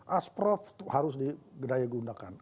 asprof harus digunakan